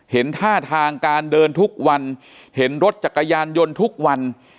เห็นท่าทางการเดินทุกวันเห็นรถจักรยานยนต์ทุกวัน